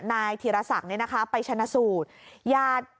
นายธีรศักดิ์เนี่ยนะคะไปชนะสูตร